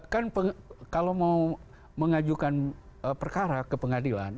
kan kalau mau mengajukan perkara ke pengadilan